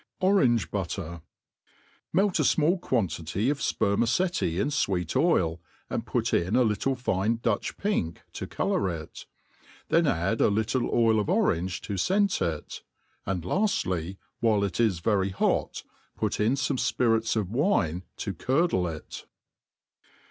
Orange Bttttir. Melt a rmall quantity of fpermaceti in fweet bil, and put in a Htde iine Datch pink to colour it ; then add a little oil of orange to fcent it; and laftly, while it is very hot put in fome fpirits of wifie to curdle it.